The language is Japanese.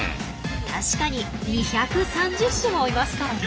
確かに２３０種もいますからね。ね！